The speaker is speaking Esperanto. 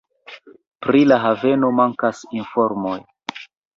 Pri la haveno mankas informoj.